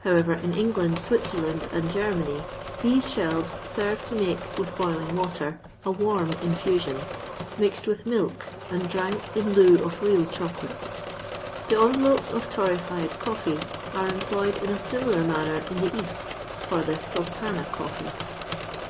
However, in England, Switzerland, and Germany, these shells serve to make, with boiling water, a warm infusion, mixed with milk and drank in lieu of real chocolate. The envelopes of torrefied coffee are employed in a similar manner in the east for the "Sultana coffee."